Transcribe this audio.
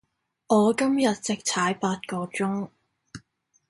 我今日直踩八個鐘